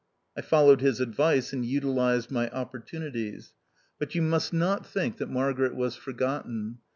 I followed his advice and utilised my op portunities. But you must not think that THE OUTCAST. 147 Margaret was forgotten.